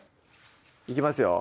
いきますよ